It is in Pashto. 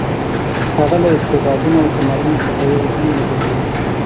هغه له استعدادونو او کمالونو څخه یو هم نه درلود.